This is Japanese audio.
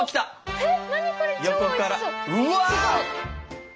えっ！？